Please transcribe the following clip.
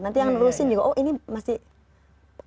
nanti yang lulusin juga oh ini masih ada kontrol gitu ya gitu